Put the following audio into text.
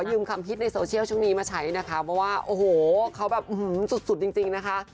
ยืมคำฮิตในโซเชียลช่วงนี้มาใช้นะคะเพราะว่าโอ้โหเขาแบบสุดสุดจริงนะคะ